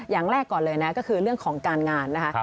อย่างแรกก่อนเลยนะก็คือเรื่องของการงานนะคะ